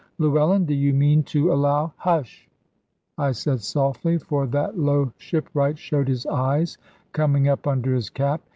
Llewellyn, do you mean to allow " "Hush," I said softly, for that low shipwright showed his eyes coming up under his cap.